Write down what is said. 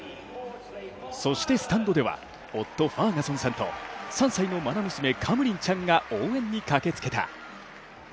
そしてスタンドでは夫ファーガソンさんと３歳のまな娘、カムリンちゃんが応援に駆けつけた。